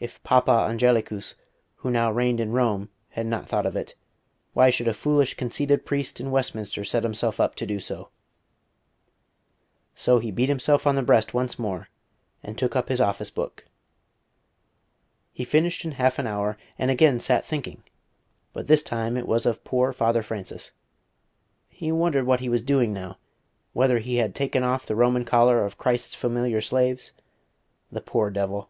If Papa Angelicus who now reigned in Rome had not thought of it, why should a foolish, conceited priest in Westminster set himself up to do so? So he beat himself on the breast once more, and took up his office book. He finished in half an hour, and again sat thinking; but this time it was of poor Father Francis. He wondered what he was doing now; whether he had taken off the Roman collar of Christ's familiar slaves? The poor devil!